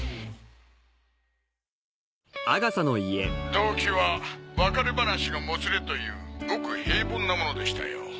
動機は別れ話のもつれというごく平凡なものでしたよ。